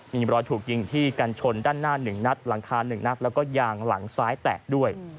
มีรอยถูกยิงที่กันชนด้านหน้า๑นัดหลังคา๑นัดแล้วก็ยางหลังซ้ายแตกด้วย